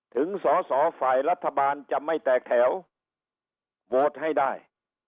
ถึงสอสอฝ่ายรัฐบาลจะไม่แตกแถวโหวตให้ได้